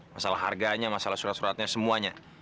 masalah harganya masalah surat suratnya semuanya